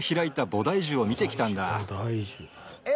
え！